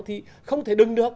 thì không thể đừng được